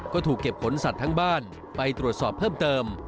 ก็ถูกเก็บขนสัตว์ทั้งบ้านไปตรวจสอบเพิ่มเติม